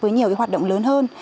với nhiều hoạt động lớn hơn